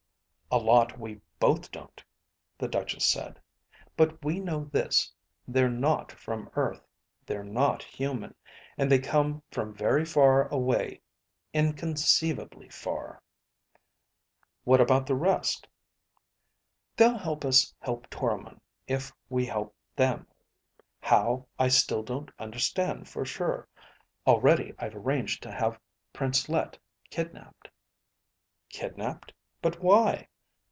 "A lot we both don't," the Duchess said. "But we know this: they're not from Earth, they're not human, and they come from very far away. Inconceivably far." "What about the rest?" "They'll help us help Toromon if we help them. How, I still don't understand for sure. Already I've arranged to have Price Let kidnaped." "Kidnaped? But why?"